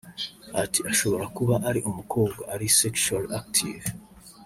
Ati “ Ashobora kuba ari umukobwa ari sexually active